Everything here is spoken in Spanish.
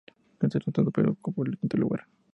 Con este resultado Perú ocupó el quinto lugar.